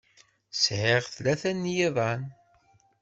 Sɛiɣ tlata n yiḍan.